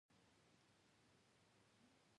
باران د افغانستان د جغرافیې یوه ښه بېلګه ده.